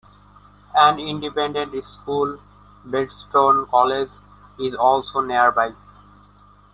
An Independent School, Bedstone College, is also nearby.